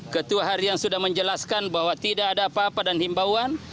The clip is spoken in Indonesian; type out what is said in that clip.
ketua harian sudah menjelaskan bahwa tidak ada apa apa dan himbauan